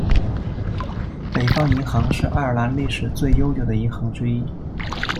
北方银行是爱尔兰历史最悠久的银行之一。